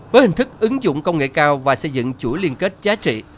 với hình thức ứng dụng công nghệ cao và xây dựng chuỗi liên kết giá trị